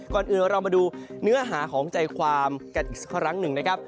ก่อนอื่นเรามาดูเนื้อหาของใจความกันอีกสักครั้งหนึ่งนะครับ